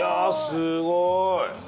すごい！